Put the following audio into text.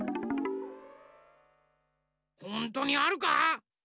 ほんとにあるか？